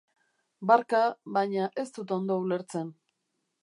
Barka, baina ez dut ondo ulertzen.